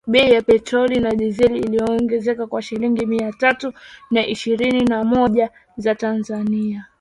Bei ya petroli na dizeli iliongezeka kwa shilingi mia tatu na ishirini na moja za Tanzania